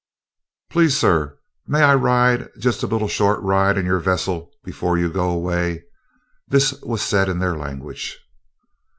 "Please, sirs, may I ride, just a little short ride, in your vessel before you go away?" This was said in their language.